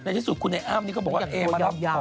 ในที่สุดคุณไอ้อ้ำนี่ก็บอกว่าเอมารับของอยากโดยยาว